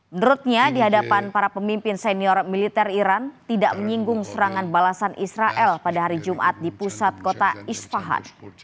menurutnya di hadapan para pemimpin senior militer iran tidak menyinggung serangan balasan israel pada hari jumat di pusat kota isfaat